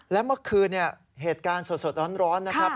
และเมื่อคืนเหตุการณ์สดร้อนนะครับ